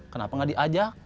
kenapa gak diajak